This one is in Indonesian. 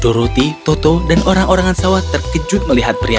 doroti toto dan orang orangan sawah terkejut melihat pria